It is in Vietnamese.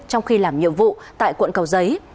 trong khi làm nhiệm vụ tại quận cầu giấy